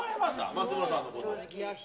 松村さんのことを。